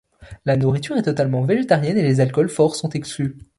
La nourriture est totalement végétarienne et les alcools forts sont exclus.